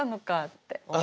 って。